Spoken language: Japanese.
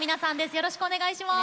よろしくお願いします。